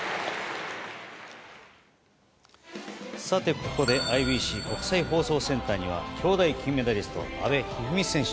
ここでＩＢＣ・国際放送センターには兄妹金メダリスト阿部一二三選手